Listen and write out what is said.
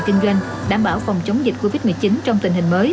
kinh doanh đảm bảo phòng chống dịch covid một mươi chín trong tình hình mới